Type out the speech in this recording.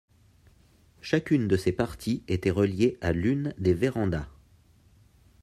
Chacune de ces parties était reliée à l’une des vérandas.